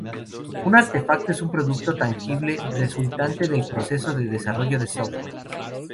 Un artefacto es un producto tangible resultante del proceso de desarrollo de software.